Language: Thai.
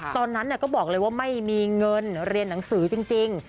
ตอนนั้นก็บอกเลยว่าไม่มีเงินเรียนหนังสือจริง